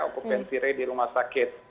okupansi rate di rumah sakit